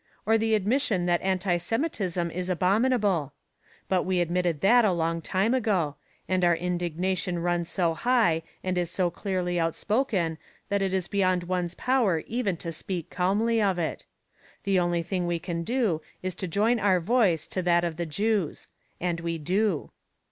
Or the admission that anti Semitism is abominable? But we admitted that a long time ago, and our indignation runs so high and is so clearly outspoken that it is beyond one's power even to speak calmly of it. The only thing we can do is to join our voice to that of the Jews. And we do.